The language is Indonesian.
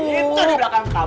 di belakang kamu